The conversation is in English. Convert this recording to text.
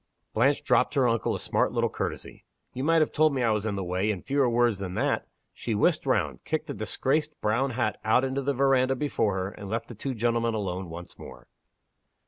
Blanche dropped her uncle a smart little courtesy. "You might have told me I was in the way in fewer words than that." She whisked round, kicked the disgraced brown hat out into the veranda before her, and left the two gentlemen alone once more.